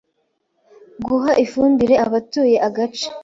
guha ifumbire abatuye agace